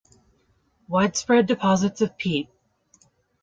Widespread deposits of peat.